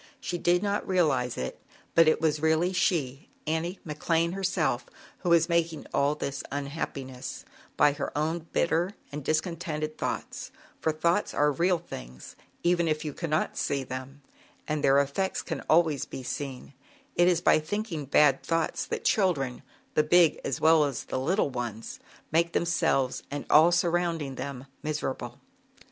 She did not realize it, but it was really she, Annie McLane herself, who was making all this unhappiness by her own bitter and discontented thoughts. For thoughts are real things, even if you ZAUBERLINDA, THE WISE WITCH. 83 cannot see them, and their effects can always be seen. It is by thinking bad thoughts that children the big as well as the little ones make themselves and all surrounding them miserable.